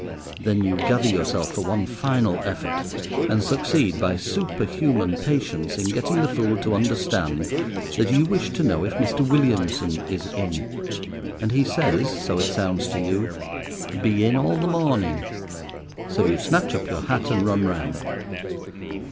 Then you gather yourself for one final effort, and succeed, by superhuman patience, in getting the fool to understand that you wish to know if Mr. Williamson is in, and he says, so it sounds to you, "Be in all the morning." So you snatch up your hat and run round.